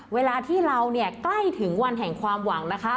เวลาที่เราเนี่ยใกล้ถึงวันแห่งความหวังนะคะ